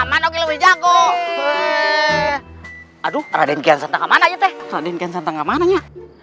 ada kian santang di mana